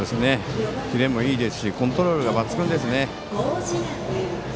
キレもいいですしコントロールが抜群ですね。